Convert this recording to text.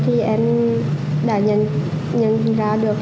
thì em đã nhận ra được